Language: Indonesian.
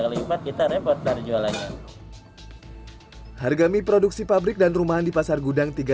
kalimat kita repot dari jualannya harga mie produksi pabrik dan rumahan di pasar gudang tiga